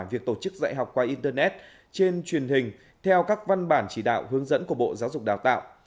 việc tổ chức dạy học qua internet trên truyền hình theo các văn bản chỉ đạo hướng dẫn của bộ giáo dục đào tạo